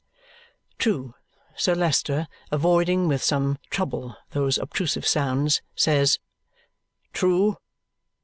True. Sir Leicester, avoiding, with some trouble those obtrusive sounds, says, "True."